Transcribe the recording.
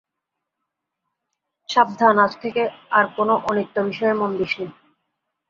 সাবধান, আজ থেকে আর কোন অনিত্য বিষয়ে মন দিসনে।